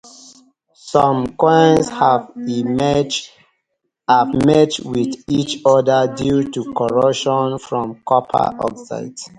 Some coins have merged with each other due to the corrosion from copper oxide.